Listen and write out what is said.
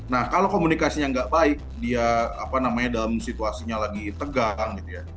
nah kalau komunikasinya nggak baik dia apa namanya dalam situasinya lagi tegang gitu ya